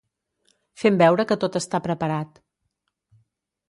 Fem veure que tot està preparat.